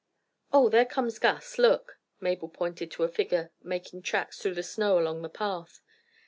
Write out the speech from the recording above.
"Oh, there comes Gus! Look!" Mabel pointed to a figure making tracks through the snow along the path.